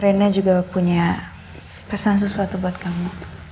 rena juga punya pesan sesuatu buat kamu